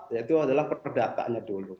itu adalah perdatanya dulu